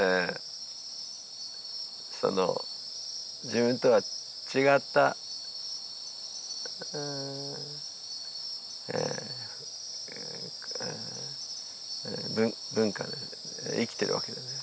自分とは違った文化で生きてるわけだよね。